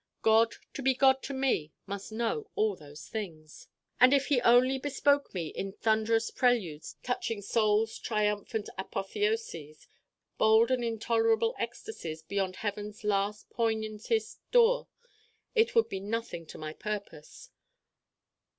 God, to be God to me, must know all those things. And if he only bespoke me in thunderous preludes touching souls' triumphant apotheoses bold and intolerable ecstasies beyond heaven's last poignantest door it would be nothing to my purpose.